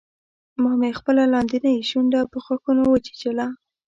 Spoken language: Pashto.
ما مې خپله لاندۍ شونډه په غاښونو وچیچله